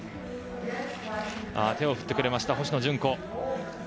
手を振ってくれました星野純子。